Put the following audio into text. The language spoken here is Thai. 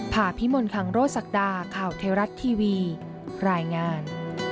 ผ่าพิมนต์คังโรสักดาข่าวเทรัตน์ทีวีรายงาน